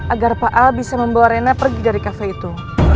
agar pak a bisa membawa rena pergi dari kafe itu